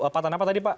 patahan apa tadi pak